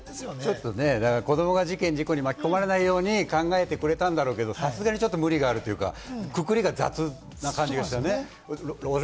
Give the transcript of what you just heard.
ちょっとね、子どもが事件、事故に巻き込まれないように考えてくれたんだけれども、ちょっと無理があるというか、くくりが雑な感じがしてね。